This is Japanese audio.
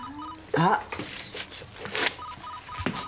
あっ！